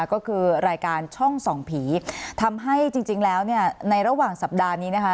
ก็คือรายการช่องส่องผีทำให้จริงแล้วเนี่ยในระหว่างสัปดาห์นี้นะคะ